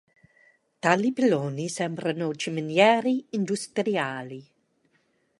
Tali piloni sembrano ciminiere industriali.